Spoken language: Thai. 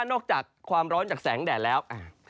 อกจากความร้อนจากแสงแดดแล้ว